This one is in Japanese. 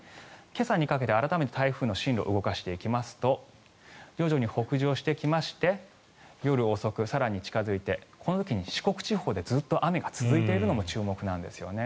今朝にかけて改めて台風の進路動かしていきますと徐々に北上してきまして夜遅く、更に近付いてこの時に四国地方でずっと雨が続いているのも注目なんですよね。